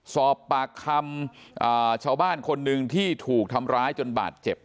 สอบปากคำชาวบ้านคนหนึ่งที่ถูกทำร้ายจนบาดเจ็บ